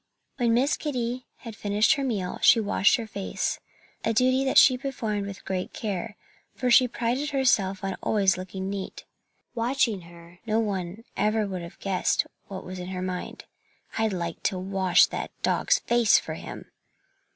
When Miss Kitty had finished her meal she washed her face a duty that she performed with great care, for she prided herself on always looking neat. Watching her, no one would ever have guessed what was in her mind. "I'd like to wash that dog's face for him!"